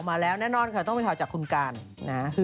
ถ้าคุณหนุ่มมาก็ต้องเป็นคุณหนุ่ม